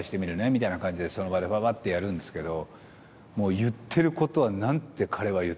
みたいな感じでその場でパパってやるんですけど。